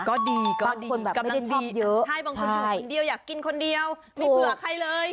ก็ดีก็ดีบางคนแบบไม่ได้ชอบเยอะใช่บางคนอยากกินคนเดียวไม่เผื่อใครเลย